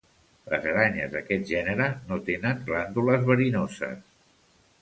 Les aranyes d'aquest gènere no tenen glàndules verinoses.